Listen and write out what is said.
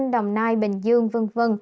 đồng nai bình dương v v